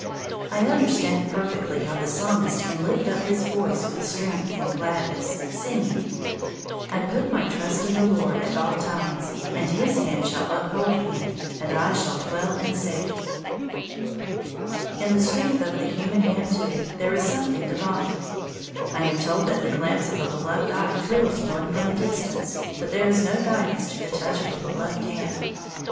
I understand perfectly how the Psalmist can lift up his voice with strength and gladness, singing, "I put my trust in the Lord at all times, and his hand shall uphold me, and I shall dwell in safety." In the strength of the human hand, too, there is something divine. I am told that the glance of a beloved eye thrills one from a distance; but there is no distance in the touch of a beloved hand.